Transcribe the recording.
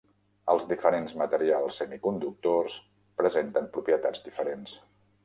Els diferents materials semiconductors presenten propietats diferents